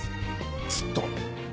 ずっと